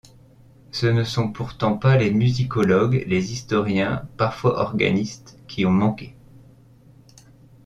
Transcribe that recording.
Ce ne sont pourtant pas les musicologues, les historiens, parfois organistes, qui ont manqué.